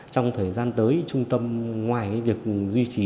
trong thời gian tới trung tâm ngoài việc duy trì